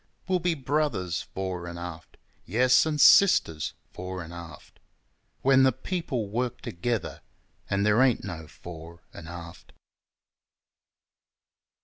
We'll be brothers, fore 'n' aft ! Yes, an' sisters, fore 'n' aft ! When the people work together, and there ain't no fore 'n' aft. W. C.